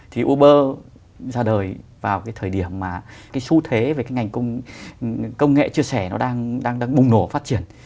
thì uber ra đời vào cái thời điểm mà cái xu thế về cái ngành công nghệ chia sẻ nó đang bùng nổ phát triển